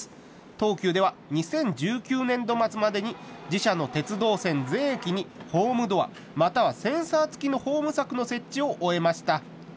東急では２０１９年度末までに自社の鉄道線全駅にホームドア、またはセンサー付きのホーム柵の設置を終えました。